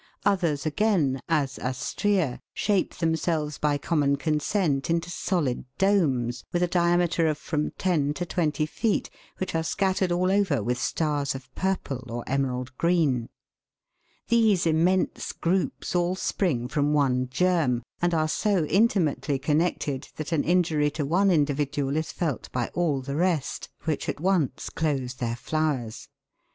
Others again, as Astraea, shape themselves by common consent into solid domes, with a diameter of from ten to twenty feet, which are scattered all over with stars of purple or emerald green (Fig. 26). These immense groups all spring from one germ, and are so intimately connected that an injury to one individual is felt by all the rest, which 132 THE WORLDS LUMBER ROOM. at once close their flowers.